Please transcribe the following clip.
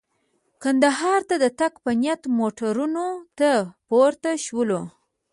کندهار ته د تګ په نیت موټرانو ته پورته شولو.